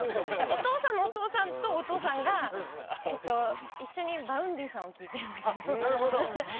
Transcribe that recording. お父さんのお父さんとお父さんが一緒にＶａｕｎｄｙを聴いているんだけど。